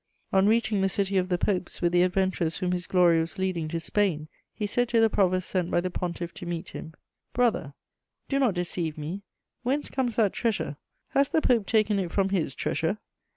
On reaching the city of the Popes with the adventurers whom his glory was leading to Spain, he said to the provost sent by the Pontiff to meet him: * "'Brother, do not deceive me: whence comes that treasure? Has the Pope taken it from his treasure?'